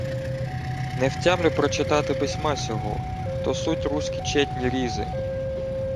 — Не втямлю прочитати письма сього. То суть руські четні різи.